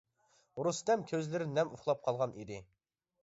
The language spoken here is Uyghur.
رۇستەم كۆزلىرى نەم ئۇخلاپ قالغان ئىدى.